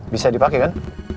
bisa dipake kan